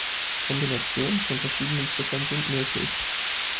Kombinationen von verschiedenen Ziffern sind möglich.